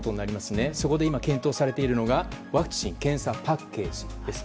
そこで今、検討されているのがワクチン・検査パッケージです。